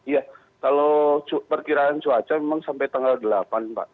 ya kalau perkiraan cuaca memang sampai tanggal delapan pak